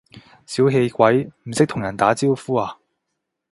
小氣鬼，唔識同人打招呼呀？